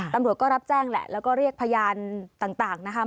ตำรวจก็รับแจ้งแหละแล้วก็เรียกพยานต่างนะคะ